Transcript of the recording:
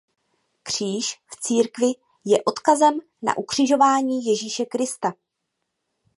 Kříž v církvi je odkazem na ukřižování Ježíše Krista.